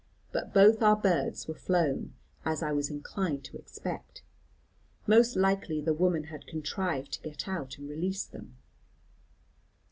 But both our birds were flown, as I was inclined to expect. Most likely the woman had contrived to get out, and release them.